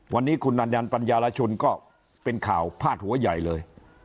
วันนี้คุณอัญญันปัญญารชุนก็เป็นข่าวพาดหัวใหญ่เลย